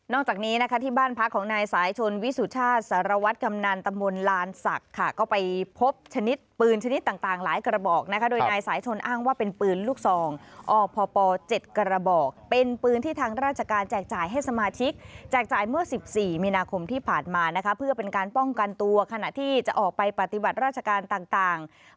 จากนี้นะคะที่บ้านพักของนายสายชนวิสุชาติสารวัตรกำนันตำบลลานศักดิ์ค่ะก็ไปพบชนิดปืนชนิดต่างหลายกระบอกนะคะโดยนายสายชนอ้างว่าเป็นปืนลูกซองอพป๗กระบอกเป็นปืนที่ทางราชการแจกจ่ายให้สมาชิกแจกจ่ายเมื่อ๑๔มีนาคมที่ผ่านมานะคะเพื่อเป็นการป้องกันตัวขณะที่จะออกไปปฏิบัติราชการต่าง